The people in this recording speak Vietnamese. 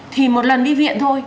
thì một lần đi viện thôi